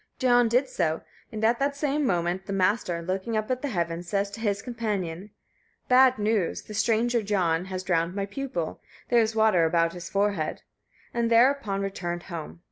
John did so, and at the same moment, the Master, looking up at the heavens, says to his companion: "Bad news; the stranger John has drowned my pupil; there is water about his forehead." And thereupon returned home.